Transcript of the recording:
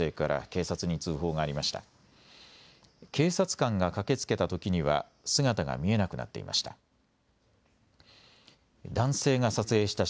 警察官が駆けつけたときには、姿が見えなくなっていました。